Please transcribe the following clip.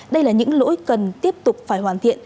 đây là những lỗi cần tiếp tục phải hoàn thiện